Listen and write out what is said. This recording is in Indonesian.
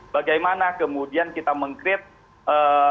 bagaimana kemudian kita meng create